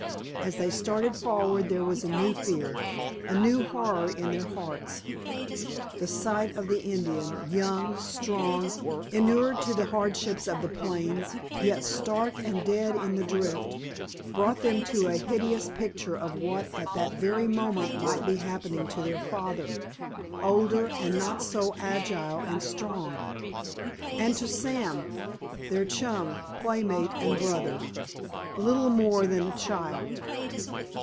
As they started forward there was a new fear, a new horror in their hearts. The sight of the Indian, young, strong, inured to the hardships of the plains, yet stark and dead in the drift, brought to them a hideous picture of what at that very moment might be happening to their father, older and not so agile and strong—and to Sam—their chum, playmate and brother—little more than a child!